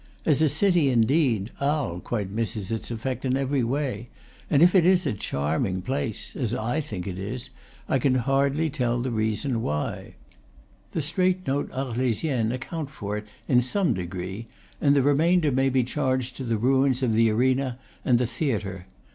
As a city, indeed, Arles quite misses its effect in every way; and if it is a charming place, as I think it is, I can hardly tell the reason why. The straight nosed Arlesiennes account for it in some degree; and the remainder may be charged to the ruins of the arena and the theatre.